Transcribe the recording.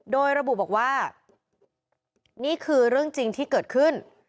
โดยระบุบอกว่านี่คือเรื่องจริงที่เกิดขึ้น